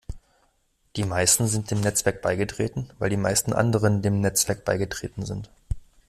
Die meisten sind dem Netzwerk beigetreten, weil die meisten anderen dem Netzwerk beigetreten sind.